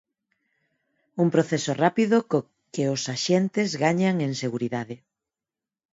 Un proceso rápido co que os axentes gañan en seguridade.